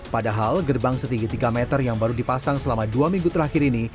padahal gerbang setinggi tiga meter yang baru dipasang selama dua minggu terakhir ini